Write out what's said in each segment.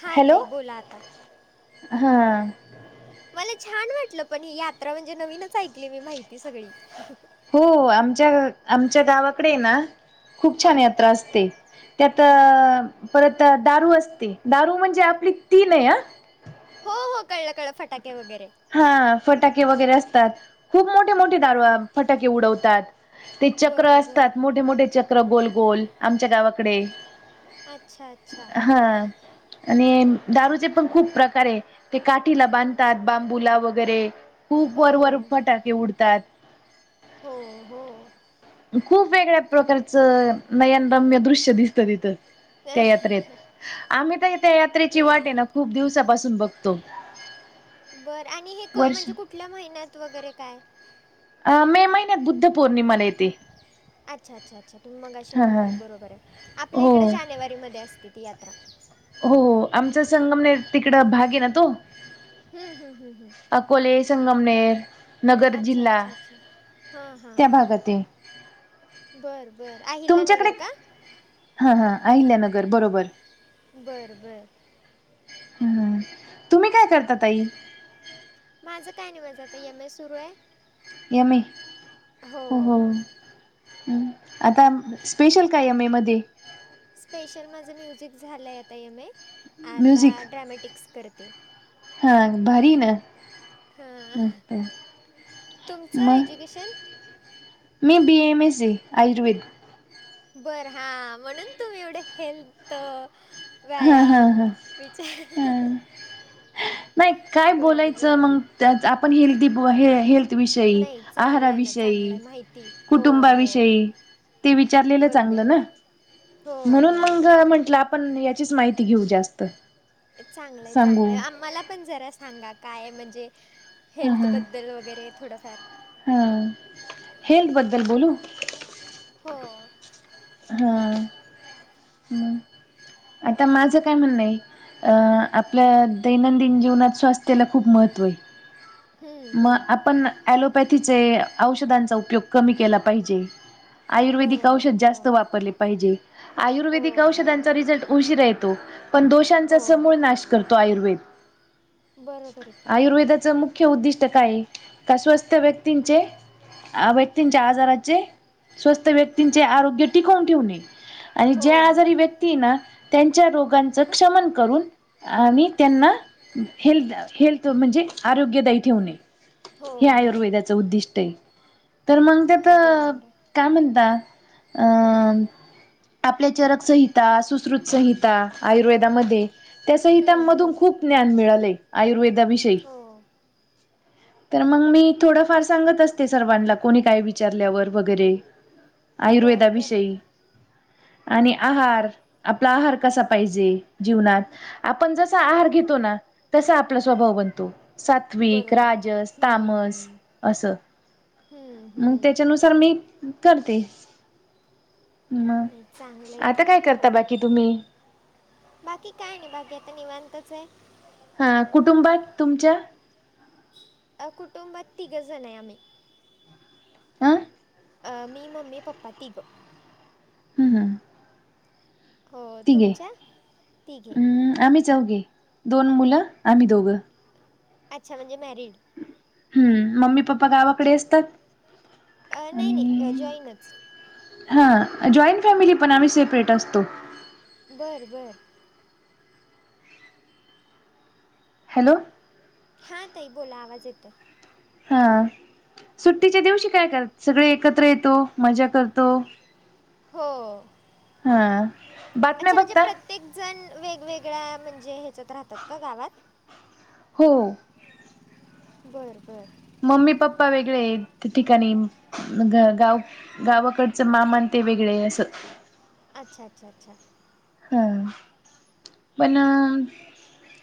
हा हॅलो ताई बोला आता! हा मला छान वाटलं पण ही यात्रा म्हणजे नवीनच ऐकली मी माहिती सगळी हो आमच्या आमच्या गावाकडे ना खूप छान हां यात्रा असते त्यात परत दारू असते दारू म्हणजे आपली ती नाही हा हो हो कळलं कळल फटाके वगैरे हा फटाके वगैरे असतात खूप मोठे मोठे दारू फटाके उडवतात ते चक्र बरं बरं असतात मोठे मोठे चक्र गोलगोल आमच्या गावाकडे अच्छा अच्छा [unintelligible] हा आणि दारूचे पण खूप प्रकार आहे ते काठीला बांधतात बांबूला वगैरे खूप हो वरवरर फटाके उडतात हो हो खूप वेगळ्या प्रकारचं नयनरम्य दृश्य दिसतं तिथं त्या ते यात्रेत आम्ही तर त्या यात्रेची वाट आहे खूप दिवसापासून बघतो बरं आणि हे क वर्ष म्हणजे कुठल्या महिन्यात वगैरे काय मे महिन्यात बुद्ध पूर्णिमा अच्छा अच्छा अच्छा तुम्ही मगाशी हा हा. म्हणलात बरोबर आहे आपल्या हो इकडे जानेवारी मे असते ती यात्रा हो आमचा संगमने तिकड भाग आहे ना तो हम्म हम हम. अकोले संगमनेर नगर अच्छा जिल्हा अच्छा अच्छा हा हा त्या हा. भागात आहे. बर बर तुमच्याकडे अहिल्यानगर का हा हा आहिल्यानगर बरोबर बरं बरं! हं तुम्ही काय करतात ताई? माझं काय नाही माझं आता एम एस सुरू आहे. यम ए हो हो [unintelligible] आता स्पेशल काय एम ए मध्ये स्पेशल माझं म्युझिक झालंय आता एम ए म्युझिक आता ड्रॅमॅटिक्स करते हा भारी ना? ह हं मस्त तुमचं मग एज्युकेशन? मी बीए एम एससी आयुर्वेद. बर हा म्हणून तुम्ही एवढं हेल्थ हा हा व्यायाम हा हा विचार नाही काय बरं बोलायचं बरं मग आपण हेल्दी हे -हेल्दी विषयी नाही आहारा चांगलं आहे ना चांगलं विषयी आहे माहिती हो कुटुंबा हो विषयी ते विचारलेलं बरोबर चांगलं ना, आहे हो म्हणून हो मग म्हंटलं पण याचीच माहिती घेऊ जास्त. चांगलंय सांगू चांगलंय आम्हाला पण जरा सांगा काय म्हणजे हा हेल्थ हा बद्दल वगैरे थोडंफार. हा हेल्थ बद्धल बोलू हो हा [unintelligible] आता माझं काय म्हणणं आहे आपल्या दैनंदिन जीवनात स्वास्थ्याला खूप महत्त्व आहे. हम्म, म हम्म. आपण ऍलोपॅथीचे औषधांचा उपयोग कमी केला पाहिजे. आयुर्वेदिक बरोबर आहे औषध जास्त त हो वापरले पाहिजे आयुर्वेदिक हो हो औषधांचा रिझल्ट उशीर यतो. पण हो दोषांचा समूळ नाश करतो आयुर्वेद बरोबर आहे की आयुर्वेदाचा मु ख्य उद्दिष्ट काय का स्वस्त व्यक्तींचे व्यक्तींच्या आजाराचे स्वस्त व्यक्तींचे आरोग्य टिकवून ठेवणे आणि हो ज्या आजारी व्यक्ती आहे ना त्यांच्या रोगां च क्षमन करून आणि त्यांना हेल्थ हेल्थ म्हणजे आरोग्यदायी ठेवणे हो हे हो आयुर्वेदा च ऊदिष्ट आहे तर मग त्यात बरोबर आहे काय म्हणत अ आपल्या चरकसंहिता सुश्रुत संहिता आयुर्वेदामध्ये त्या संहिता हं, मधून हं. खूप ज्ञान मिळालय आयुर्वेदा वी हो! तर मग मी थोडंफार सांगत असते सर्वांना कोणी काय विचारल्यावर वगैरे. बरं बरं! आयुर्वेदाविषयी आणि आहार आपला आहार कसा पाहिजे जीवनात. आपण जसा आहार घेतो ना तसा आपला स्वभाव बनतो. सात्विक, बरोबर आहे राजस, तामस हं, असं हं, मग हं. त्याच्यानु सार मी करते. म नाही, चांगलं आहे की आता काय करता बाकी तुम्ही? बाकी काय नाही बाकी आता निवांतच आहे. हा कुटुंबात तुमच्या? अ कुटुंबात तिघं जन आहे आम्ही. आ? अ मी मम्मी पप्पा तिघ. हम्म, हम्म. हो तिघे तुमच्या तिघे हम्म आम्ही चौघी, दोन मुलं, आम्ही दोघ. अच्छा म्हणजे मॅरिड. हम्म, मम्मी, पप्पा गावाकडे असतात. अ नाही, नाही आणि जाॅईनच. हा जॉईंट फॅमिली पण आम्ही सेपरेट असतो. बर बर.. हॅलो. हा ताई बोला आवाज येतोय. हा सुट्टीच्या दिवशी काय करता सगळे एकत्र येतो, मजा करतो, हो.. हा बातम्या अच्छा म्हणजे बघता? प्रत्येक जण वेगवेगळ्या म्हणजे ह्याच्यात राहतात का गावात? हो. बरं बरं. मम्मी, पप्पा वेगळे त्या ठिकाणी गाव गावाकडचं मामान ते वेगळे असं. अच्छा, अच्छा, अच्छा. हा पण अ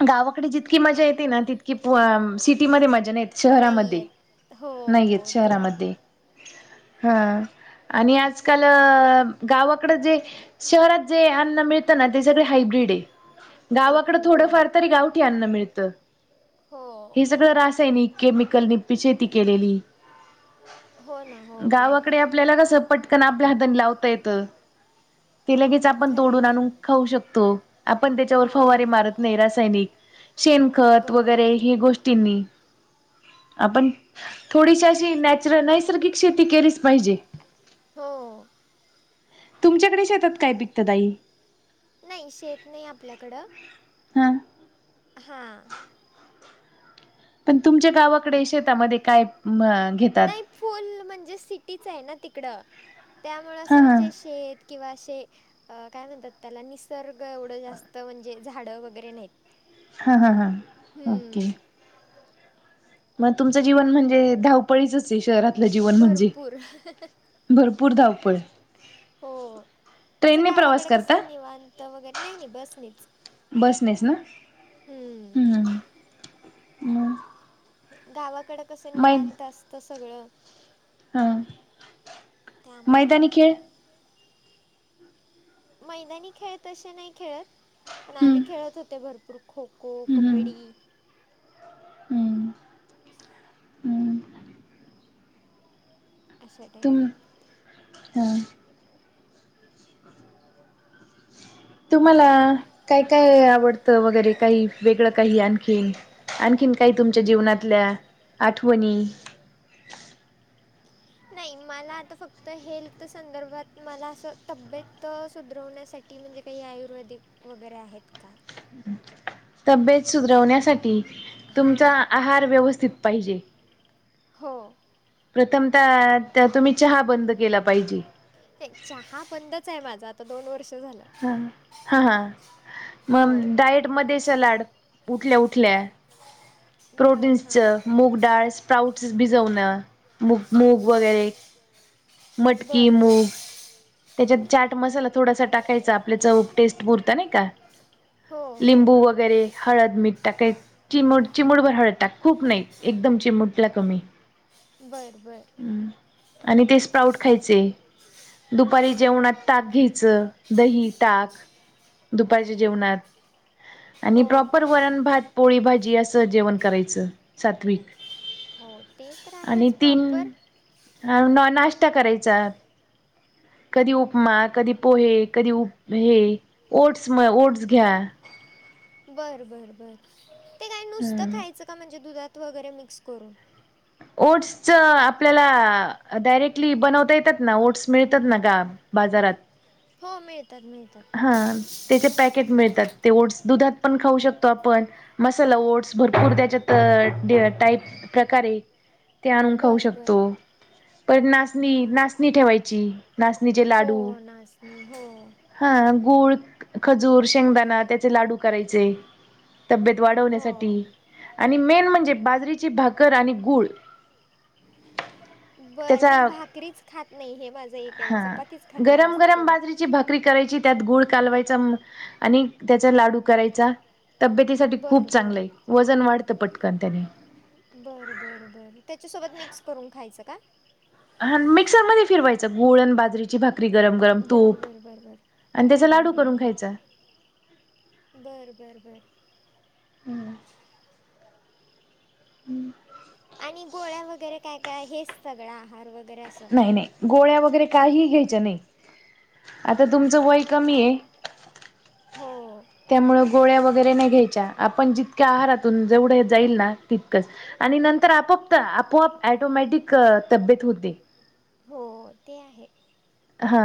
गावाकडे जितकी मजा येते ना तितकी सिटीमध्ये नाही येत. नाही शहरामध्ये आहेत हो नाहीयेत हो ते आहे शहरामध्ये हा. आणि आजकाल गावाकड जे शहरात जे अ मिळत ना ते सगळ हायब्र्रीड आहे हाय गावाकड की हो थोडंफार तरी गावठी अन्न मिळत. हो हे सगळं रासायनिक केमिकल नि शेती केलेली. हो ना हो हो गावाकडे आप आपल्याला कस पटकन आपल्या हातने लावता येत ते लगेच आपण खरं आहे तोडून की आणून खाऊ शकतो आपण त्याच्यावर हो फवारे मारत नाही रासायनिक शेनखत बरोबर वगैरे आहे हे गोष्टींनी आपण थोडीशी अशी नॅचरल नैसर्गिक शेती केलीच पाहिजे. हो. तुमच्याकडे शेतात काय पिकत ताई? नाही शेत नाही आपल्याकड. हा. हा.. पण तुमच्या गावाकडे शेतामध्ये काय घेतात? नाही फुल म्हणजे सिटीच आहे ना तिकडं त्यामुळं हा असं हा म्हणजे शेत किंवा असे काय म्हणतात त्याला निसर्ग एवढं जास्त म्हणजे झाडं वगैरे नाहीत. हा, हा, हा, ओके. हम्म मग तुमचं जीवन म्हणजे धावपळीच हे शहरातलं जीवन म्हणजे. भरपूर भरपूर धावपळ. हो. ट्रेनने प्रवास गावाकडे करता कसं निवांत वगैरे नाही, नाही बस नाहीच. बसनेस हम्म. हम्म. गावाकडं कसं मै निवांत असतं सगळं. हा त्यामुळं मैदानी खेळ. मैदानी खेळ तसे नाही खेळत पण हम्म आधी खेळत होते भरपूर खुप खो-खो हम्म कबड्डी. हम्म. हम्म अशा तुम टाईप हा. तुम्हाला काय काय आवडतं वगैरे काही वेगळं काही आणखीन आणखीन काही तुमच्या जीवनातल्या आठवणी नाही मला आता फक्त हेल्थ संदर्भात मला असं तब्येत सुधरवण्यासाठी की म्हणजे काही आयुर्वेदिक वगैरे आहेत का तब्येत सुधरवण्यासाठी हां तुमचा आहार व्यवस्थित पाहिजे. हो प्रथम त्या तुम्ही चहा बंद केला पाहिजे. चहा बंदच आहे माझं आता दोन वर्ष झालं ह हा हा मग हो. डायट मध्ये सलाड उठल्या उठल्या बर प्रोटीन्स हां च मूग डाळ स्प्राऊटस भिजवन मूग मूग वगैरे मटकी बर बर मूग त्याच्यात चाट मसाला थोडासा टाकायचा आपल्या टेस्ट पुरत नाही का-' हो हो लिंबू वगैरे हळद मीठ टाकायचं चिम चिमुटभर हळद टाक खूप नाही एकदम चिमुटला कमी बरं बरं आणि ते स्प्राऊट खायचे. दुपारी जेवणात ताक घ्यायचं दही ताक दुपारच्या जेवणात आणि हो प्रॉपर वरण भात पोळी भाजी असं जेवण करायचं सात्विक हो ते तर आणि आहेच तीन प्रॉपर अ नाश्ता करायचा कधी उपमा कधी पोहे कधी उप हे ओटस म ओटस घ्या बरं बरं बरं ते काय नुसतं हम्म. खायचं का म्हणजे दुधात वगैरे मिक्स करून ओटसच आपल्याला डायरेक्टली बनवता येतात ना ओटस मिळतात ना ग बाजारात. हो मिळतात मिळतात. हा त्याचे पॅकेट मिळतात ते ओटस दुधात पण खाऊ शकतो आपण मसाला ओट्स भरपूर त्याच्यात अ टाईप प्रकारे ते आणून खाऊ बर बर शकतो पण नाचणी नाचणी ठेवायची नाचणीचे लाडू हो नाचणी हो. हा गूळ खजूर शेंगदाणा त्याचे लाडू करायचे. तब्येत हो वाढवण्यासाठी आणि मेन म्हणजे बाजरीची भाकर आणि गूळ बर मी त्याचा भाकरीच खात नाही हे माझं एक म हा चपातीच खाते गरम जास्त गरम करून बाजरीची भाकरी करायची त्यात गुल कालवायचा आणि त्याचा लाडू करायचा तब्बेतची साठी बर खूप बर चांगलंय वजन वाढतं पटकन त्याने बरं बरं बरं त्याच्यासोबत मिक्स करून खायचं का हा मिक्सर मध्ये फिरवायचं गुळ आणि बाजरीची भाक भाकरी गरम गरम बर तूप बर बर बर आणि हं, त्याचा हं, लाडू करून खायचा. बरं बरं बरं. हम् आणि गोळ्या वगैरे काय काय हेच सगळा आहार वगैरे अस नाही नाही गोळ्या वगैरे काही घ्यायच्या नाही. आता बरं तुमचं बर वय कमी हो हो त्यामुळं गोळ्या वगैरे नाही घ्यायच्या आपण जितक्या आहारातून जेवढं जाईल ना तितकंच आणि नंतर आपोआप आपोआप टोमॅटिक तब्येत होते. हो हो ते आहे. हा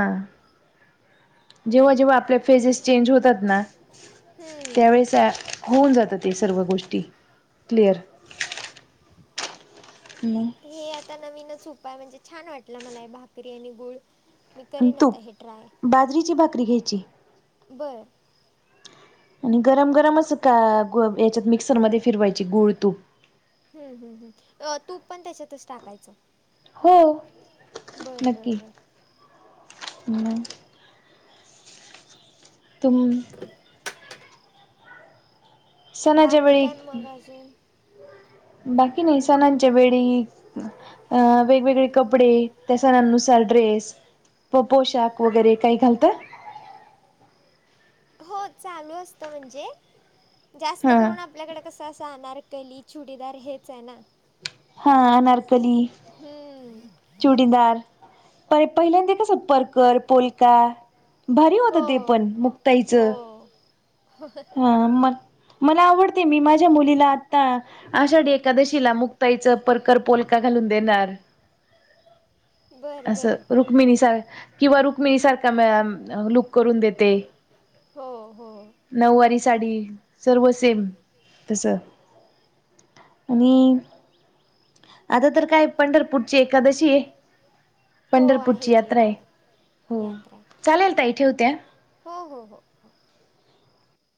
जेव्हा जेव्हा आपल्या फेजेस चेंज होतात ना हम्म त्यावेळेच आ होऊन जातं ते सर्व गोष्टी क्लिअर हम हे आता नवीनच उपाय म्हणजे छान वाटला मला भाकरी आणि गुळ. मी आणि करीन आता तूप हे ट्राय बाजरीची भाकरी घ्यायची बरं. आणि गरम गरमच का याच्यात मिक्सरमध्ये फिरवायची गूळ-तूप. हम् हम्म हम तूप पण त्याच्यातच टाकायचं. हो बरं बरं नक्की बरं हम. तुून [unintelligible] सणाच्या बाकी वेळी काही मग अजून. बाकी नाही सनांच्या वेडी. अ वेगवेगळे कपडे त्या सनानुसार ड्रेस व पोशाख वगैरे काही घालतं. चालु असत. म्हणजे, जास्त हा करून आपल्याकडे कस आस अनारकली चुडीदार हेच आहे ना. हा आनारकली. हम्म. चुडीदार परे पहिल्यांदा कसं पलकर, पोलका भारी होत हो ते पण मुक्ताईचं. हो हा मल मला आवडते. मी माझ्या मुलीला आता आषाढी एकादशीला मुक ताईच परकर पोलका घालून देणार. बरं बरं असं रुक्मिणी सार किंवा रुक्मिणी सारखा लुक करून देते. हो हो. नऊवारी साडी सर्व सेम तस. आणि आता तर काय पंढरपूरची एकादशी आहे. हो आहे पंढरपूरची की यात्रा हो आहे. चालेल ताई ठेवते हा. हो हो हो हो.